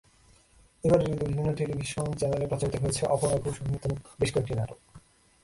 এবারের ঈদে বিভিন্ন টেলিভিশন চ্যানেলে প্রচারিত হয়েছে অপর্ণা ঘোষ অভিনীত বেশ কয়েকটি নাটক।